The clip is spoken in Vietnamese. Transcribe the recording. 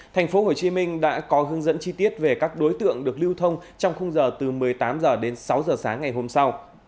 thành phố hồ chí minh đã có hướng dẫn chi tiết về các đối tượng được lưu thông trong khung giờ từ một mươi tám h đến sáu h sáng ngày hôm sau